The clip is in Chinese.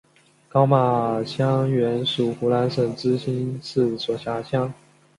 高码乡原属湖南省资兴市所辖乡。